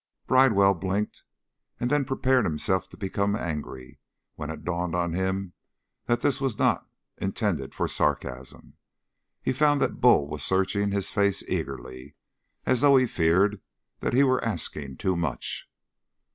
Bridewell blinked, and then prepared himself to become angry, when it dawned on him that this was not intended for sarcasm. He found that Bull was searching his face eagerly, as though he feared that he were asking too much.